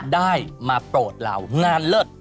ได้มาโปรดเรางานเลิศ